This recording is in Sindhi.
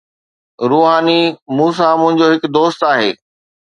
روحاني: مون سان منهنجو هڪ دوست آهي.